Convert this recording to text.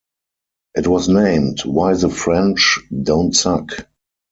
It was named "Why the French Don't Suck".